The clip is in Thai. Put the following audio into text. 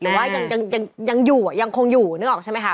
หรือว่ายังอยู่ยังคงอยู่นึกออกใช่ไหมคะ